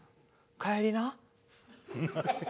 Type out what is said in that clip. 帰りな？